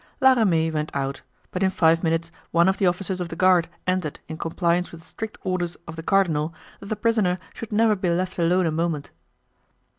La Ramee went out, but in five minutes one of the officers of the guard entered in compliance with the strict orders of the cardinal that the prisoner should never be left alone a moment.